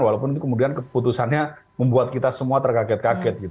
walaupun kemudian keputusannya membuat kita semua terkaget kaget